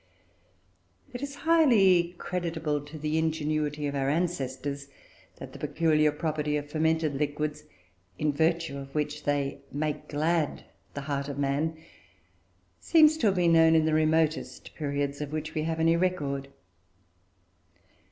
It is highly creditable to the ingenuity of our ancestors that the peculiar property of fermented liquids, in virtue of which they "make glad the heart of man," seems to have been known in the remotest periods of which we have any record.